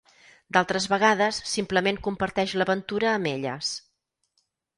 D’altres vegades simplement comparteix l’aventura amb elles.